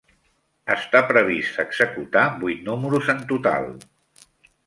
Està previst executar vuit números en total.